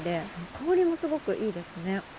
香りもすごくいいですね。